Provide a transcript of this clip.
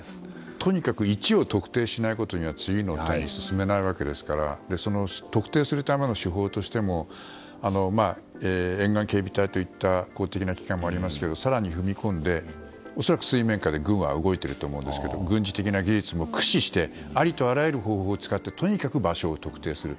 とにかく位置を特定しないことには次には進めないわけですから特定するための手法としても沿岸警備隊といった公的な機関もありますが更に踏み込んで恐らく、水面下で軍は動いていると思いますが軍事的な技術も駆使してありとあらゆる方法を使ってとにかく場所を特定する。